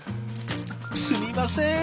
すみません！